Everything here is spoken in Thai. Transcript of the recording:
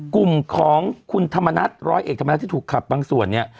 กลุ่มของคุณธรรมนัฐร้อยเอกธรรมนัฐที่ถูกขับบางส่วนเนี่ย